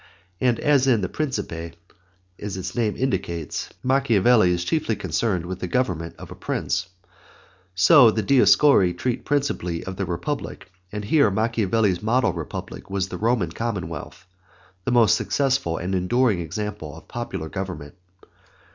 And as in the Principe, as its name indicates, Machiavelli is concerned chiefly with the government of a Prince, so the Discorsi treat principally of the Republic, and here Machiavelli's model republic was the Roman commonwealth, the most successful and most enduring example of popular government.